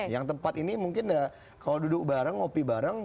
yang tempat ini mungkin kalau duduk bareng ngopi bareng